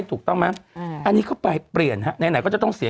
ถูกต้องไหมอันนี้เข้าไปเปลี่ยนฮะไหนก็จะต้องเสีย